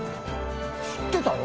知ってたよ